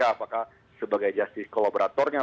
apakah sebagai jastis kolaboratornya